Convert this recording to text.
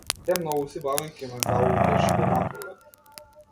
Те многу си бавен, ќе ме залулкаш до напролет!